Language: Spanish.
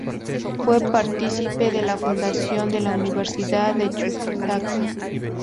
Fue partícipe de la fundación de la Universidad de Chuquisaca.